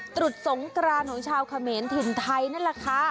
ตรุษสงครานของชาวเขมนถึงไทยนั่นล่ะค่ะ